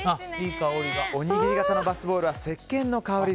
おにぎり形のバスボールはせっけんの香り。